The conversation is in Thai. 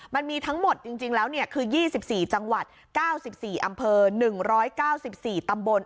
มันมีทั้งหมดจริงแล้วคือ๒๔จังหวัด๙๔อำเภอ๑๙๔ตำบล